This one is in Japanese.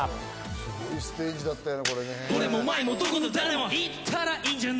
すごいステージだったよね。